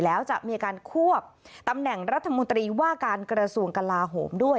แล้วจะมีการควบตำแหน่งรัฐมนตรีว่าการกระทรวงกลาโหมด้วย